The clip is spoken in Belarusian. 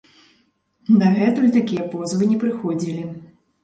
Дагэтуль такія позвы не прыходзілі.